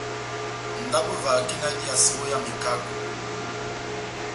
Ndabo evahakandi náh ediyase ó hé ya mekako.